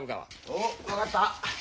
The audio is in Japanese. おう分かった。